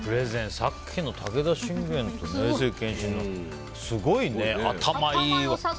さっきの武田信玄と上杉謙信のすごいね、頭いい。